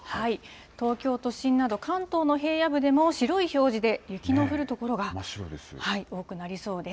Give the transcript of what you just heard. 東京都心など、関東の平野部でも白い表示で、雪の降る所が多くなりそうです。